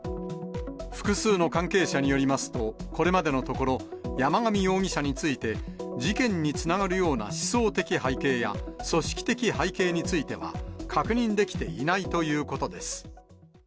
複数の関係者によりますと、これまでのところ、山上容疑者について、事件につながるような思想的背景や、組織的背景については、確認できていないということです。